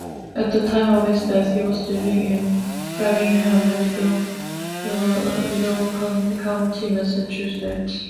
At the time of his death, he was living in Framingham, Middlesex County, Massachusetts.